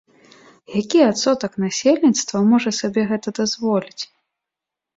Які адсотак насельніцтва можа сабе гэта дазволіць?